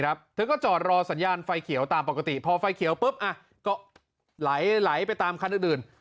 เธอก็จอดรอสัญญาณไฟเขียวตามปกติพอไฟเขียวปุ๊บก็ไหลไปตามคันอื่น